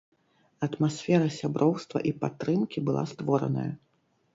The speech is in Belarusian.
Атмасфера сяброўства і падтрымкі была створаная.